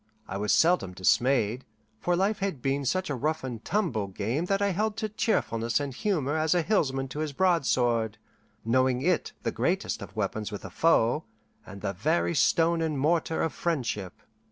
I was seldom dismayed, for life had been such a rough and tumble game that I held to cheerfulness and humour as a hillsman to his broadsword, knowing it the greatest of weapons with a foe, and the very stone and mortar of friendship.